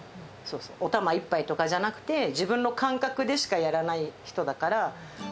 お玉１杯とかじゃなくて、自分の感覚でしかやらない人だから。